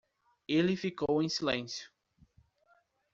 Ele ficou em silêncio